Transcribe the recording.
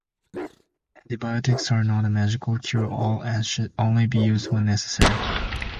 Antibiotics are not a magical cure-all and should only be used when necessary.